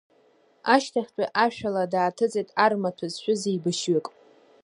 Ашьҭахьтәи ашә ала дааҭыҵит ар-маҭәа зшәыз еибашьҩык.